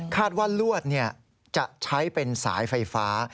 คาดว่าลวดจะใช้เป็นสายไฟฟ้า